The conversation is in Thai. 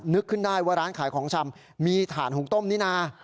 นึกขึ้นได้ว่าร้านขายของชำมีถ่านหุงต้มนี่นะ